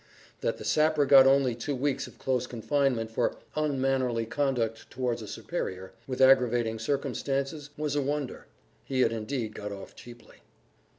That the sapper got only two weeks of close confinement for "unmannerly conduct towards a superior" with aggravating circumstances, was a wonder; he had indeed got off cheaply.